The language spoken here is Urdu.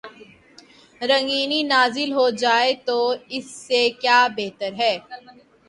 رنگینی نازل ہو جائے تو اس سے کیا بہتر۔